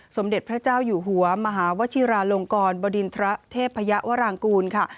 สมเด็จพระเจ้าอยู่หัวมหาวชิราลงกรบดินทระเทพยวรางกูลค่ะ